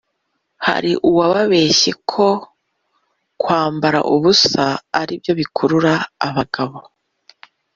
Haruwababeshye ko kwambara ubusa aribyo bikurura abagabo